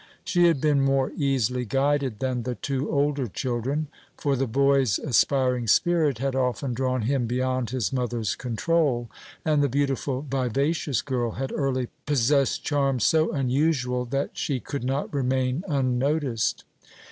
She had been more easily guided than the two older children; for the boy's aspiring spirit had often drawn him beyond his mother's control, and the beautiful, vivacious girl had early possessed charms so unusual that she could not remain unnoticed.